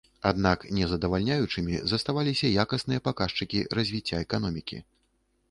Аднак нездавальняючымі заставаліся якасныя паказчыкі развіцця эканомікі.